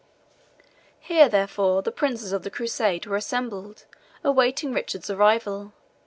Here, therefore, the princes of the Crusade were assembled awaiting Richard's arrival.